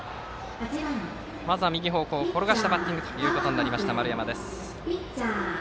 まずは右方向に転がしたバッティングとなった丸山です。